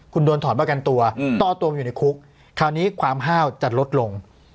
คุณโดนถอนประกันตัวต่อตัวมาอยู่ในคุกคราวนี้ความห้าวจะลดลง